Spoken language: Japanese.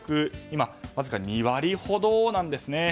今、わずか２割ほどなんですね。